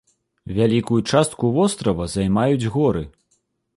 Вялікую частку вострава займаюць горы.